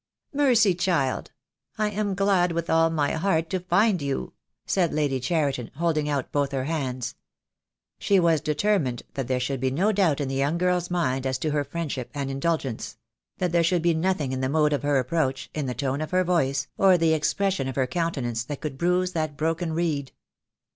"Mercy, child, I am glad with all my heart to find you," said Lady Cheriton, holding out both her hands. She was determined that there should be no doubt in the young girl's mind as to her friendship and in dulgence— that there should be nothing in the mode of her approach, in the tone of her voice, or the expression of her countenance that could bruise that broken reed.